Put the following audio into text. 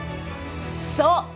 そう！